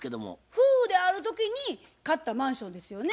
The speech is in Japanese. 夫婦である時に買ったマンションですよね。